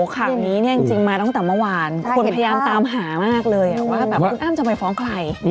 ขัมนี้จริงมาตั้งแต่เมื่อวานคนพยายามตามหามากเลยครับว่าคุณอ้ำจะไปฟ้องใคร